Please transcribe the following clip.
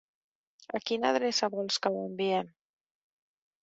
A quina adreça vols que ho enviem?